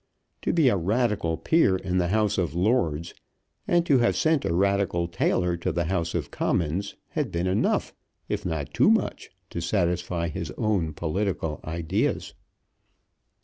To be a Radical peer in the House of Lords, and to have sent a Radical tailor to the House of Commons, had been enough, if not too much, to satisfy his own political ideas.